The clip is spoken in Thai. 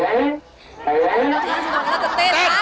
เราก็จะเต้น